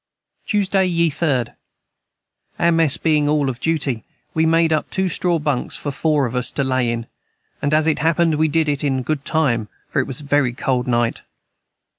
Tuesday ye 3rd. Our mes being all of duty we made us up 2 Straw bunks for 4 of us to lay in and as it hapened we did it in a good time for it was a very cold night.